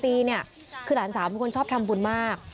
๓๓ปีเนี้ยคือหลานสาวมึงค่อยชอบทำบุญมาก